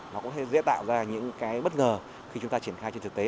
nó cũng sẽ tạo ra những cái bất ngờ khi chúng ta triển khai trên thực tế